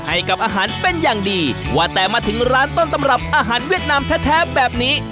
ให้กับอาหารเป็นอย่างดีว่าแต่มาถึงร้านต้นตำรับอาหารเวียดนามแท้แบบนี้